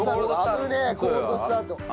コールドスタートだ。